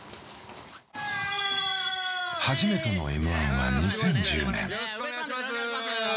初めてのＭ−１は２０１０年。